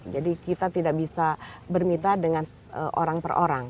jadi kita tidak bisa bermitra dengan orang per orang